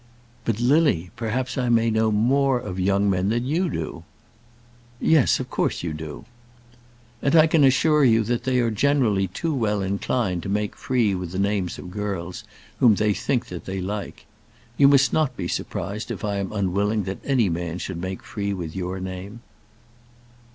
"But, Lily, perhaps I may know more of young men than you do." "Yes, of course you do." "And I can assure you that they are generally too well inclined to make free with the names of girls whom they think that they like. You must not be surprised if I am unwilling that any man should make free with your name."